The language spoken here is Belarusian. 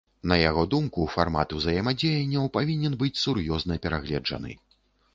На яго думку, фармат узаемадзеянняў павінен быць сур'ёзна перагледжаны.